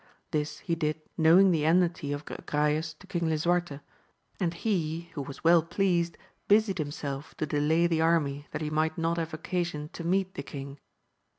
This he did knowing the enmity of Agrayes to King Lisuarte, and he who was well pleased, busied himself to delay the army, that he might not have occasion to meet the king.